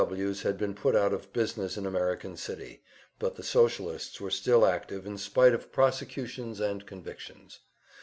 Ws. had been put out of business in American City, but the Socialists were still active, in spite of prosecutions and convictions.